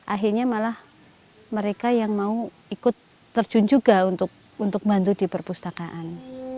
akhirnya malah mereka yang mau ikut terjun juga untuk bantu di perpustakaan